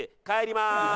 帰りまーす。